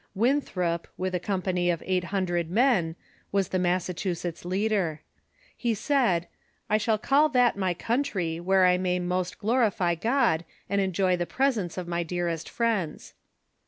Winthrop, with a company of eight hundred men, was the Massachusetts leader. lie said, " I shall call that my country where I may most glo rify God and enjoy the presence of my dearest friends."